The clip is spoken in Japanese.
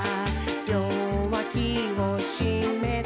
「りょうわきをしめて、」